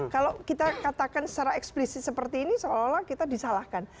kalau kita katakan secara eksplisit seperti ini seolah olah kita disalahkan